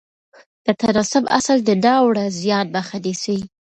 د تناسب اصل د ناوړه زیان مخه نیسي.